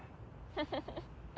フフフッ。